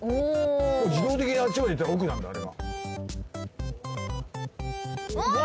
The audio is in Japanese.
自動的にあっちまで行ったら奥なんだあれが。わ！